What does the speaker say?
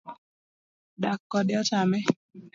Dak kode otame